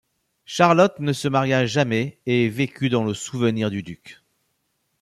Charlotte ne se maria jamais et vécut dans le souvenir du duc.